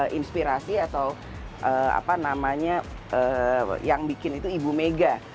inspirasi atau apa namanya yang bikin itu ibu mega